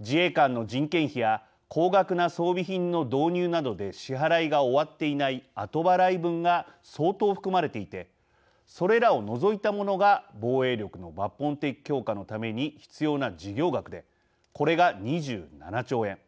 自衛官の人件費や高額な装備品の導入などで支払いが終わっていない後払い分が相当含まれていてそれらを除いたものが防衛力の抜本的強化のために必要な事業額でこれが２７兆円。